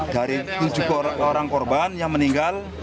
dari tujuh orang korban yang meninggal